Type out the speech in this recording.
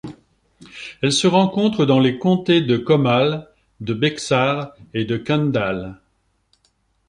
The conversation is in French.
Elle se rencontre dans les comtés de Comal, de Bexar et de Kendall.